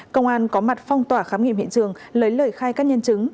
công an có mặt phong tỏa khám nghiệm hiện trường lấy lời khai các nhân chứng